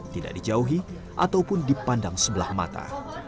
tidak dijauhi ataupun dipandang sebelah mata